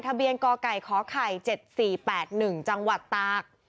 กไก่ขไข่๗๔๘๑จังหวัดตาก